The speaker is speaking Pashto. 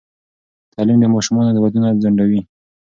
تعلیم د ماشومانو ودونه ځنډوي.